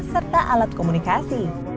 serta alat komunikasi